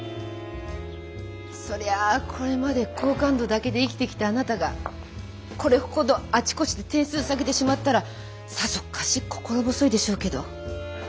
そりゃこれまで好感度だけで生きてきたあなたがこれほどあちこちで点数下げてしまったらさぞかし心細いでしょうけど。